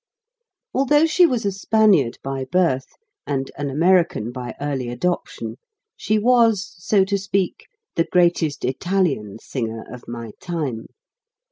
Although she was a Spaniard by birth and an American by early adoption, she was, so to speak, the greatest Italian singer of my time.